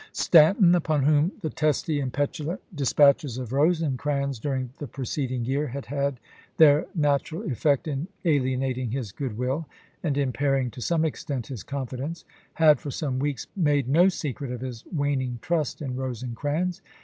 Stanton, upon whom the testy and petulant dis patches of Rosecrans during the preceding year had had their natural eficect in alienating his good will and impairing to some extent his confidence, had for some weeks made no secret of his waning trust in Rosecrans.